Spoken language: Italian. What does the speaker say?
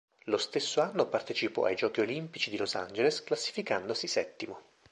Lo stesso anno partecipò ai Giochi olimpici di Los Angeles classificandosi settimo.